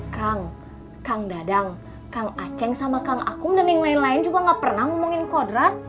kang kang dadang kang aceh sama kang akung dan yang lain lain juga gak pernah ngomongin kodrat